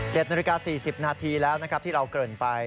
นาฬิกา๔๐นาทีแล้วนะครับที่เราเกริ่นไป